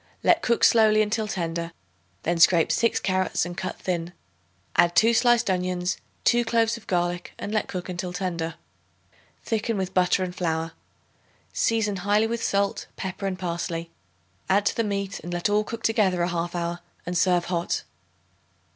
Let cook slowly until tender; then scrape 6 carrots and cut thin; add 2 sliced onions, 2 cloves of garlic and let cook until tender. Thicken with butter and flour. Season highly with salt, pepper and parsley; add to the meat, and let all cook together a half hour and serve hot.